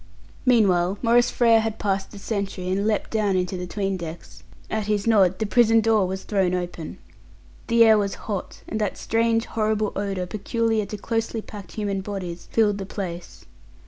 Meanwhile Maurice Frere had passed the sentry and leapt down into the 'tween decks. At his nod, the prison door was thrown open. The air was hot, and that strange, horrible odour peculiar to closely packed human bodies filled the place.